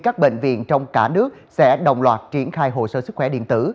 các bệnh viện trong cả nước sẽ đồng loạt triển khai hồ sơ sức khỏe điện tử